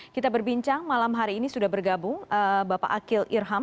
kita berbincang malam hari ini sudah bergabung bapak akil irham